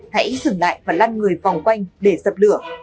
hãy dừng lại và lăn người vòng quanh để dập lửa